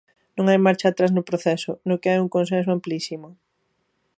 Non hai marcha atrás no proceso, no que hai un consenso amplísimo.